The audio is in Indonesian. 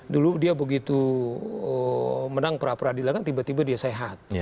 dulu dia begitu menang peradilan kan tiba tiba dia sehat